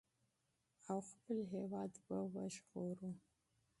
او خپل هېواد به وژغورو.